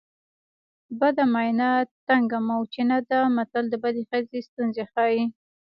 بده ماینه تنګه موچڼه ده متل د بدې ښځې ستونزې ښيي